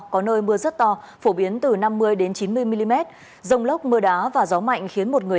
có nơi mưa rất to phổ biến từ năm mươi chín mươi mm rông lốc mưa đá và gió mạnh khiến một người